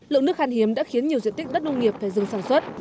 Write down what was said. lượng nước khan hiếm đã khiến nhiều diện tích đất nông nghiệp phải dừng sản xuất